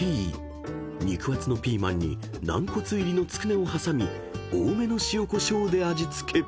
［肉厚のピーマンに軟骨入りのつくねを挟み多めの塩コショウで味付け］